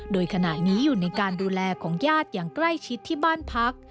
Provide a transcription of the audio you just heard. โดยขณะนี้อยู่ในการดูแลของญาติอย่างใกล้ชิดที่บ้านพัก